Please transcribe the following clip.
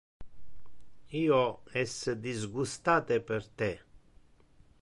Io es disgustate per te.